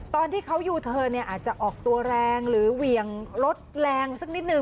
ตอนที่เขายูเทิร์นเนี่ยอาจจะออกตัวแรงหรือเหวี่ยงรถแรงสักนิดนึง